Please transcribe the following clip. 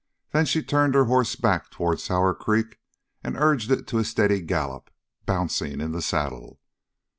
Then she turned her horse back toward Sour Creek and urged it to a steady gallop, bouncing in the saddle.